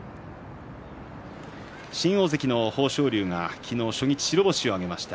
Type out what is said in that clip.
新大関の豊昇龍が昨日初日白星を挙げました。